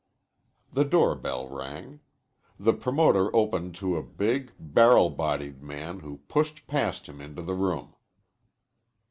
The doorbell rang. The promoter opened to a big, barrel bodied man who pushed past him into the room.